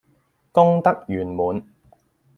功德圓滿